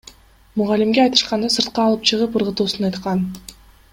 Мугалимге айтышканда, сыртка алып чыгып ыргытуусун айткан.